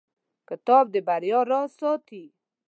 کتاب د بریا راز ساتي.